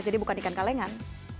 jadi bukan ikan kalengan